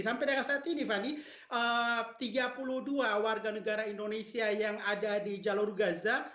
sampai dengan saat ini fani tiga puluh dua warga negara indonesia yang ada di jalur gaza